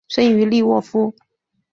生于利沃夫。